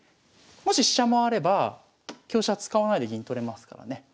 もし飛車回れば香車使わないで銀取れますからね。